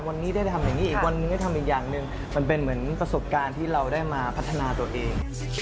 วันนี้ได้ทำอย่างนี้อีกวันนึงได้ทำอีกอย่างหนึ่งมันเป็นเหมือนประสบการณ์ที่เราได้มาพัฒนาตัวเอง